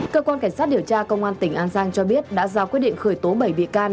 cơ quan cảnh sát điều tra công an tỉnh an giang cho biết đã ra quyết định khởi tố bảy bị can